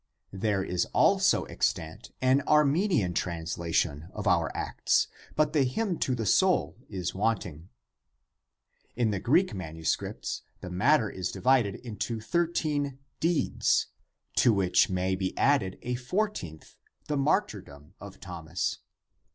There is also extant an Armenian translation of our Acts; but the hymn to the soul is wanting. In the Greek MSS. the matter is divided into thirteen " deeds," to which may be added as fourteenth the martyr dom of Thomas.